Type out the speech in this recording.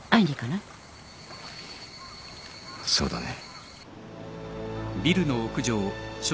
そうだね。